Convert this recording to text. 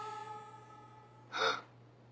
あっ。